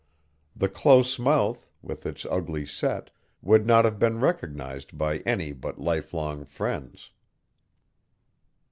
The close mouth, with its ugly set, would not have been recognized by any but lifelong friends.